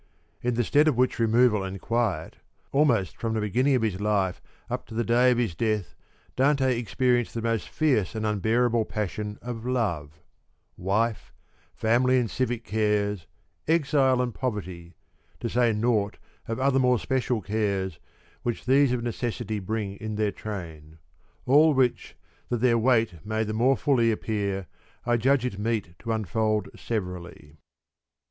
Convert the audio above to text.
In the stead of which removal and quiet, almost from the beginning of his life up to the day of his death Dante experienced the most fierce and unbearable passion of love ; wife ; family and civic cares ; exile, and poverty ; (to say naught of other more special cares which these of necessity bring in their train) ; all which, that their weight may the more fully appear, I judge it meet to unfold severally.